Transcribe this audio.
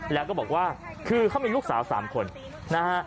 แล้วก็บอกว่าคือเขามีลูกสาว๓คนนะฮะ